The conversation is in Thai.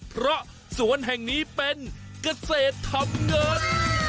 เพราะสวนแห่งนี้เป็นเกษตรทำเงิน